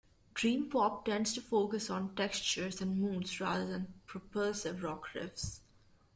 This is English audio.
Dream pop tends to focus on textures and moods rather than propulsive rock riffs.